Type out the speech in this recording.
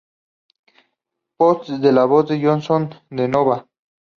Pops es la voz de Jason Donovan.